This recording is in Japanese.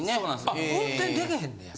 あ運転できへんねや？